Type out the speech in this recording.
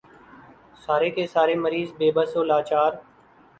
سارے کے سارے مریض بے بس و لاچار۔